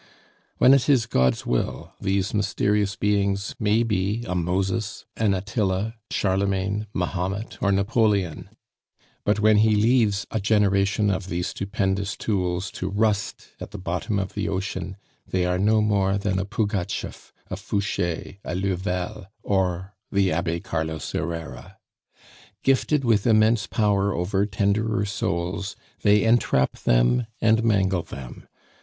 "When it is God's will, these mysterious beings may be a Moses, an Attila, Charlemagne, Mahomet, or Napoleon; but when He leaves a generation of these stupendous tools to rust at the bottom of the ocean, they are no more than a Pugatschef, a Fouche, a Louvel, or the Abbe Carlos Herrera. Gifted with immense power over tenderer souls, they entrap them and mangle them.